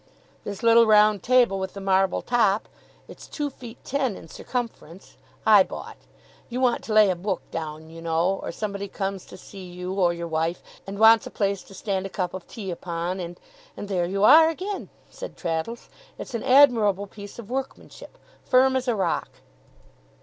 This little round table with the marble top (it's two feet ten in circumference), I bought. You want to lay a book down, you know, or somebody comes to see you or your wife, and wants a place to stand a cup of tea upon, and and there you are again!' said Traddles. 'It's an admirable piece of workmanship firm as a rock!